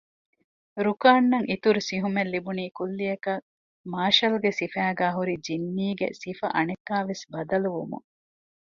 ރުކާންއަށް އިތުރު ސިހުމެއް ލިބުނީ ކުއްލިއަކަށް މާޝަލްގެ ސިފައިގައި ހުރި ޖިންނީގެ ސިފަ އަނެއްކާވެސް ބަދަލުވުމުން